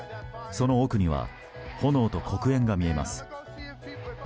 その奥には炎と黒煙が見えます。